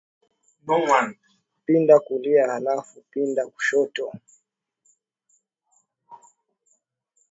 Pinda kulia, halafu pinda kushoto